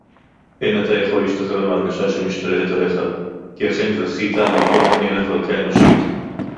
אֵין אַתָּה יָכוֹל לְהִשְׁתַּחְרֵר מֵהַרְגָּשָׁה שֶׁמִּשְׁתַּלֶּטֶת עָלֶיךָ, כִּי אָכֵן זָכִיתָ לִרְאוֹת מֵעֵין הַבְרָקָה אֱנוֹשִׁית